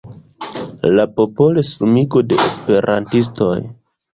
La popolsumigo de esperantistoj.